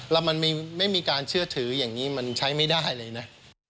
แล้วมันไม่มีการเชื่อถืออย่างนี้มันใช้ไม่ได้เลยนะ